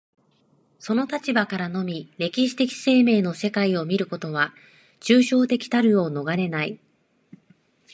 その立場からのみ歴史的生命の世界を見ることは、抽象的たるを免れない。